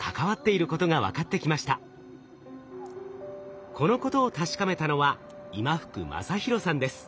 このことを確かめたのは今福理博さんです。